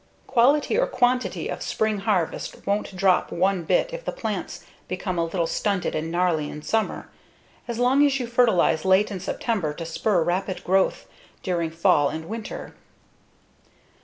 Quality or quantity of spring harvest won't drop one bit if the plants become a little stunted and gnarly in summer, as long as you fertilize late in September to spur rapid growth during fall and winter.